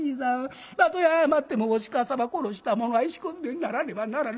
たとえ謝ってもお鹿様殺した者は石小詰にならねばならぬ。